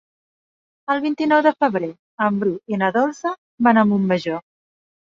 El vint-i-nou de febrer en Bru i na Dolça van a Montmajor.